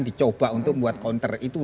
dicoba untuk membuat counter itu